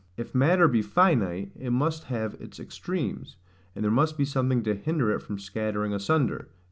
If matter be finite, it must have its extremes; and there must be something to hinder it from scattering asunder.